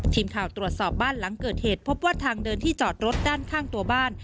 ทีมข่าวตรวจสอบบ้านหลังเกิดเหตุพบว่าทางเดินที่จอดรถด้านข้างตัวบ้าน